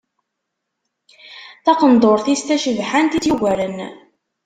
Taqendur-is tacebḥant i tt-yugaren.